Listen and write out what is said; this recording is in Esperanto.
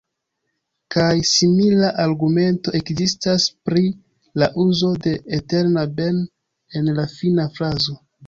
Kaj simila argumento ekzistas pri la uzo de "eterna ben'" en la fina frazo.